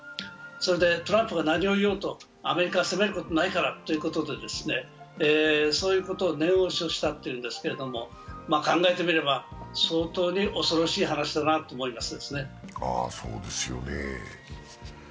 それでトランプが何を言おうとアメリカは攻めることはないからと念押ししたということですけれども考えてみれば、相当に恐ろしい話だなと思いますね。